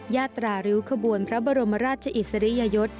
ยาตราริ้วขบวนพระบรมราชอิสริยยศ